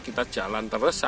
kita jalan terus sampai